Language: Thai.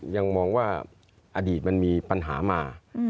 ยังมองว่าอดีตมันมีปัญหามา